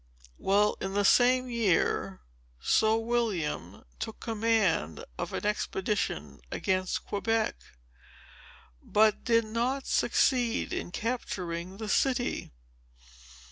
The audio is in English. "Well; in the same year, Sir William took command of an expedition against Quebec, but did not succeed in capturing the city.